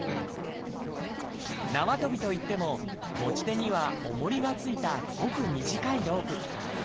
なわとびといっても持ち手にはおもりが付いたごく短いロープ。